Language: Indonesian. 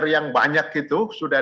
yang banyak itu sudah